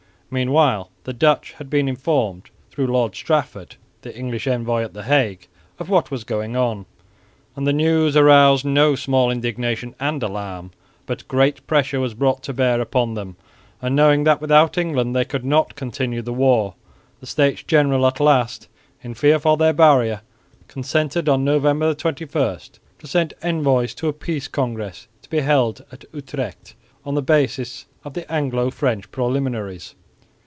Meanwhile the Dutch had been informed through Lord Strafford, the English envoy at the Hague, of what was going on; and the news aroused no small indignation and alarm. But great pressure was brought to bear upon them; and, knowing that without England they could not continue the war, the States General at last, in fear for their barrier, consented, on November 21, to send envoys to a peace congress to be held at Utrecht on the basis of the Anglo French preliminaries.